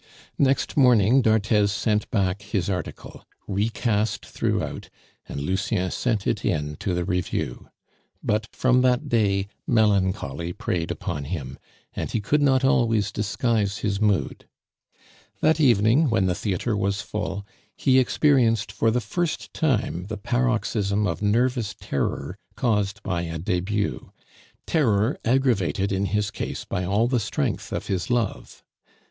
Next morning d'Arthez sent back his article, recast throughout, and Lucien sent it in to the review; but from that day melancholy preyed upon him, and he could not always disguise his mood. That evening, when the theatre was full, he experienced for the first time the paroxysm of nervous terror caused by a debut; terror aggravated in his case by all the strength of his love.